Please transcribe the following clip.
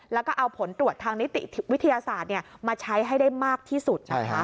แล้วก็เอาผลตรวจทางนิติวิทยาศาสตร์มาใช้ให้ได้มากที่สุดนะคะ